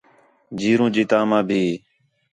جیروں جتام آ بھی